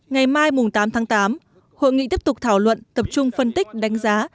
ngày mai tám tháng tám hội nghị tiếp tục thảo luận tập trung phân tích đánh giá